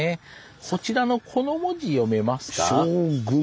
こちらのこの文字読めますか？